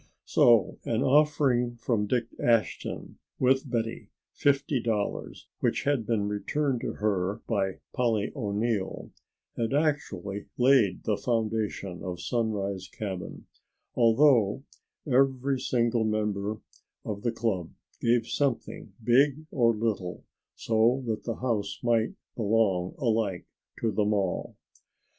So an offering from Dick Ashton with Betty's fifty dollars, which had been returned to her by Polly O'Neill, had actually laid the foundation of Sunrise Cabin, although every single member of the club gave something big or little so that the house might belong alike to them all.